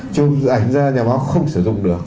chụp ảnh ra nhà báo không sử dụng được